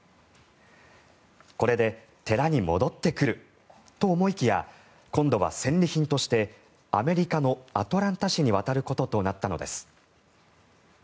これで寺に戻ってくると思いきや今度は戦利品としてアメリカのアトランタ市に渡ることとなったのです。